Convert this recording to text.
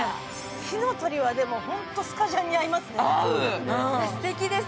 「火の鳥」はめっちゃスカジャンに合いますね。